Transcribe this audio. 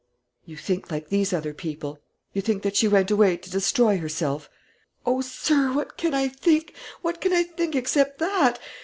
"You think like these other people, you think that she went away to destroy herself?" "O sir, what can I think, what can I think except that?